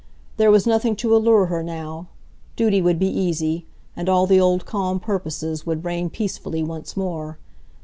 There was nothing to allure her now; duty would be easy, and all the old calm purposes would reign peacefully once more.